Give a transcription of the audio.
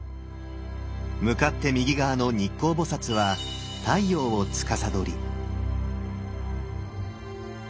向かって右側の日光菩は太陽をつかさどり。